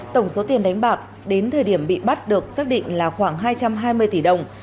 tổng số tiền đánh bạc đến thời điểm bị bắt được xác định là khoảng hai trăm hai mươi tỷ đồng